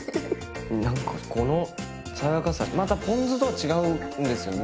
何かこの爽やかさまたポン酢とは違うんですよね。